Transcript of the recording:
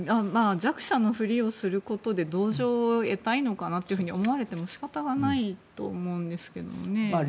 弱者のふりをすることで同情を得たいのかなと思われても仕方がないと思うんですけどね。